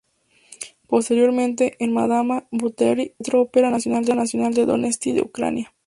Posteriormente, en Madama Butterfly en el Teatro Ópera Nacional de Donetsk de Ucrania.